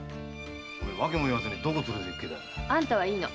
わけも言わずにどこ連れてく気だ？あんたはいいの。